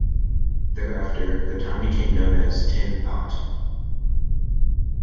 Thereafter, the town became known as "Tin 'At".